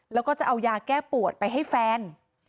แล้วก็จะเอายาแก้ปวดไปให้แฟน